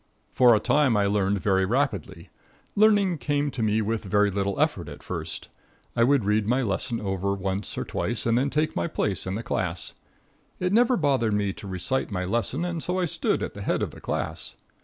For a time I learned very rapidly. Learning came to me with very little effort at first. I would read my lesson over once or twice and then take my place in the class. It never bothered me to recite my lesson and so I stood at the head of the class.